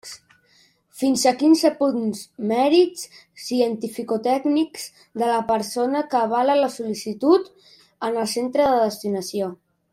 Fins a quinze punts: mèrits cientificotècnics de la persona que avala la sol·licitud en el centre de destinació.